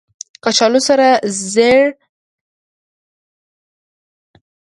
کچالو سره زېړه بادرنګ هم خوړل کېږي